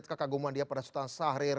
kekaguman dia pada sultan syahrir